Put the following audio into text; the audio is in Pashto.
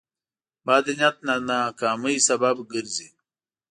بد نیت د ناکامۍ سبب ګرځي.